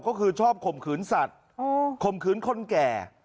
ก็คือชอบข่มขืนสัตว์ข่มขืนคนแก่